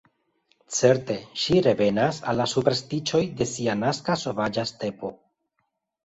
Certe, ŝi revenas al la superstiĉoj de sia naska sovaĝa stepo.